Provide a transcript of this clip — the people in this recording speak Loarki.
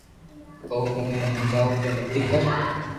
او اوني ھمجاوُ ڪہ متي ڪر